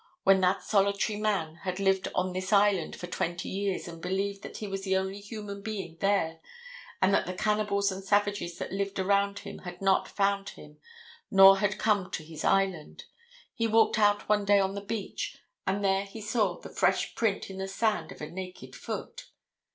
When that solitary man had lived on this island for twenty years and believed that he was the only human being there and that the cannibals and savages that lived around him had not found him nor had not come to his island, he walked out one day on the beach, and there he saw the fresh print in the sand of a naked foot.